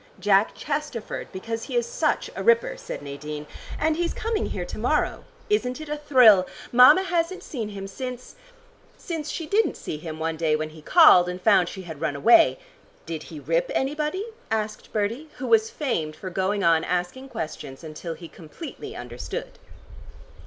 "Jack Chesterford, because he is such a ripper," said Nadine. "And he's coming here to morrow. Isn't it a thrill? Mama hasn't seen him since since she didn't see him one day when he called, and found she had run away " "Did he rip anybody?" asked Bertie, who was famed for going on asking questions, until he completely understood.